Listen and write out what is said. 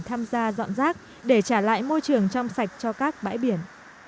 tham gia dọn rác để trả lại môi trường trong sạch cho các bãi biển